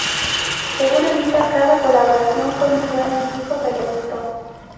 Según Anitta cada colaboración fue muy buena y dijo que le gusto.